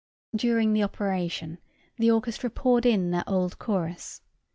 During the operation the orchestra poured in their old chorus.